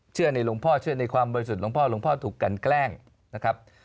ในหลวงพ่อเชื่อในความบริสุทธิ์หลวงพ่อหลวงพ่อถูกกันแกล้งนะครับ